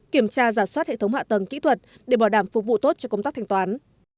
kiểm tra giả soát hệ thống hạ tầng kỹ thuật để bảo đảm phục vụ tốt cho công tác thanh toán